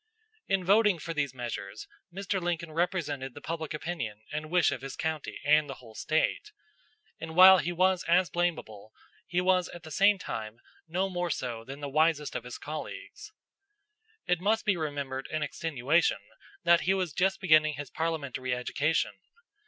In voting for these measures, Mr. Lincoln represented the public opinion and wish of his county and the whole State; and while he was as blamable, he was at the same time no more so than the wisest of his colleagues. It must be remembered in extenuation that he was just beginning his parliamentary education.